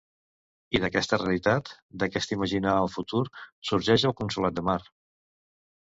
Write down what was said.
I d'aquesta realitat, d'aquest imaginar el futur, sorgeix el Consolat de Mar.